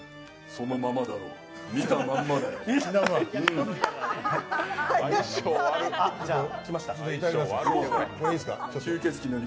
そのままだろう、見たままだろう。